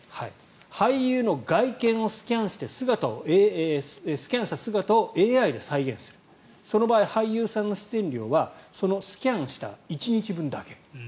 俳優の外見をスキャンした姿をＡＩで再現するその場合、俳優さんの出演料はスキャンした１日分だけ。